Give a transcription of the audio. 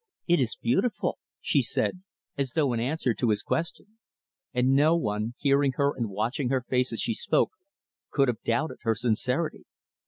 "It is beautiful," she said, as though in answer to his question. And no one hearing her, and watching her face as she spoke could have doubted her sincerity.